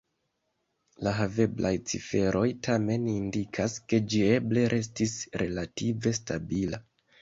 La haveblaj ciferoj tamen indikas, ke ĝi eble restis relative stabila.